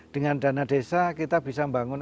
dengan dana desa kita bisa membangun